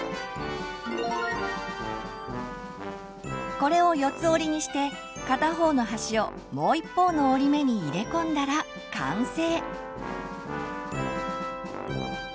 これを４つ折りにして片方の端をもう一方の折り目に入れ込んだら完成。